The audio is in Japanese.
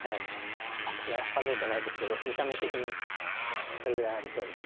いや数えてないですけど見た目的にそれぐらいありそうです。